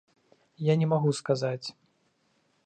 Я не магу сказаць.